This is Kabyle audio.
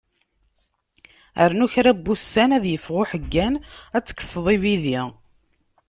Rnu kra n wussan ad yeffeɣ uḥeggan, ad tekkseḍ ibidi.